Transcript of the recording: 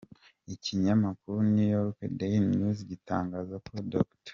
Ikinyamakuru New York Daily News gitangaza ko Dr.